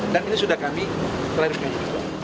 dan ini sudah kami selariknya